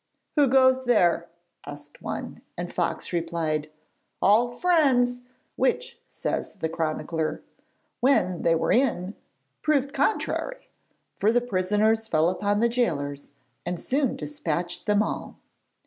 'Who goes there?' asked one, and Fox replied: 'All friends,' which, says the chronicler, 'when they were in, proved contrary,' for the prisoners fell upon the gaolers and soon dispatched them all.